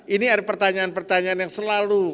ini ada pertanyaan pertanyaan yang selalu